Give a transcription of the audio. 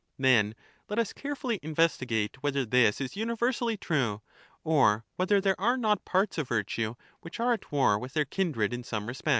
Then let us carefully investigate whether this is a"®^ '*»*»• universally true, or whether there are not parts of virtue investigate which are at war with their kindred in some respect.